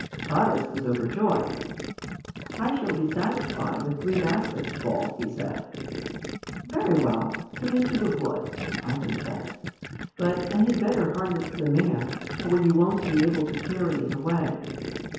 Taras was overjoyed. "I shall be satisfied with three baskets full," he said. "Very well; come into the wood," Ivan said; "but I had better harness the mare, for you won't be able to carry it away."